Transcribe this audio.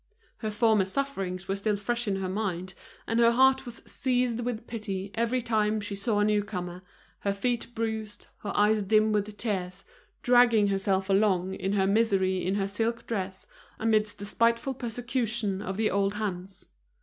Her former sufferings were still fresh in her mind, and her heart was seized with pity every time she saw a new comer, her feet bruised, her eyes dim with tears, dragging herself along in her misery in her silk dress, amidst the spiteful persecution of the old hands.